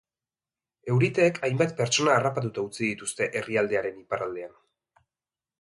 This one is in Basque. Euriteek hainbat pertsona harrapatuta utzi dituzte herrialdearen iparraldean.